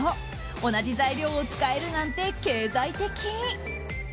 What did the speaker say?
同じ材料を使えるなんて経済的！